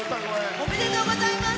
おめでとうございます！